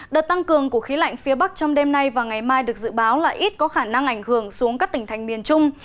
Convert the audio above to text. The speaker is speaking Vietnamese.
đợt tăng cường của khí lạnh phía bắc trong đêm nay và ngày mai được dự báo là ít có khả năng ảnh hưởng xuống các tỉnh thành miền trung